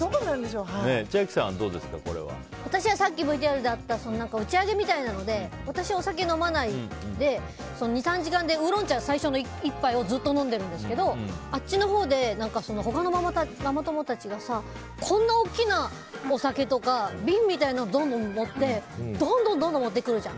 私はさっきＶＴＲであった打ち上げみたいなので私、お酒飲まないので２３時間でウーロン茶、最初の１杯をずっと飲んでるんですけどあっちのほうで他のママ友たちがこんな大きなお酒とか瓶みたいなのをどんどん持ってくるじゃん。